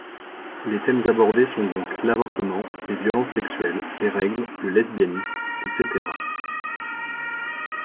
Les thèmes abordés sont donc l'avortement, les violences sexuelles, les règles, le lesbianisme, etc.